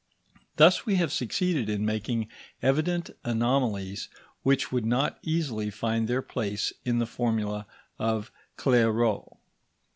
Thus we have succeeded in making evident anomalies which would not easily find their place in the formula of Clairaut.